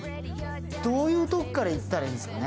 どういうところからいったらいいんですかね？